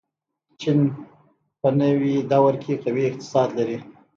چین په نوې دور کې قوي اقتصاد لري.